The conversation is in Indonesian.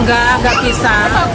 tidak tidak bisa